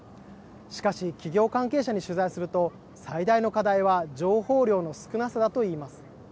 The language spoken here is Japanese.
しかし、企業関係者に取材すると最大の課題は情報量の少なさだといいます。